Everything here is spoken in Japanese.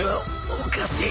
おかしい